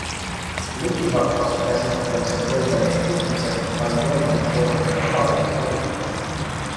Lukivatpa sitä sitten sen löytäneet ihmiset tai jonkin sortin avaruusoliot.